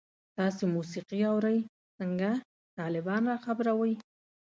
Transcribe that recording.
تاسو موسیقی اورئ؟ څنګه، طالبان را خبروئ